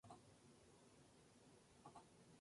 Gunner iba a ganar el partido y el título.